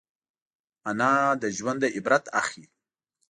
انا له ژونده عبرت اخلي